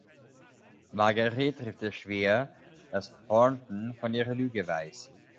Margaret trifft es schwer, dass Thornton von ihrer Lüge weiß.